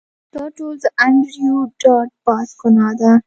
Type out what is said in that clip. دا ټول د انډریو ډاټ باس ګناه ده